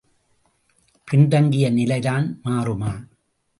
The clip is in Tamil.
பின் தங்கிய நிலைதான் மாறுமா?